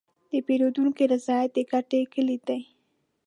د پیرودونکي رضایت د ګټې کلید دی.